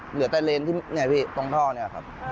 เหลือแต่เลนที่ตรงท่อนี่ครับ